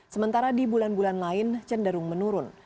sementara di bulan bulan lain cenderung menurun